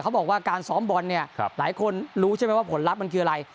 เขาบอกว่าการซ้อมบอลเนี่ยหลายคนรู้ใช่ไหมว่าผลลัพธ์มันคืออะไร